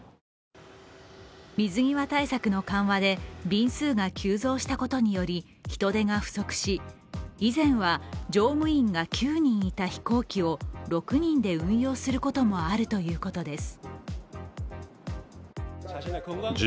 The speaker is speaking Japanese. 水際対策の緩和で便数が急増したことにより人手が不足し、以前は乗務員が９人いた飛行機を６人で運用することもあるということです。